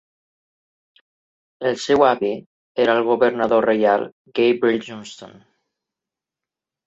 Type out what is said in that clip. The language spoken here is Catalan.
El seu avi era el governador reial Gabriel Johnston.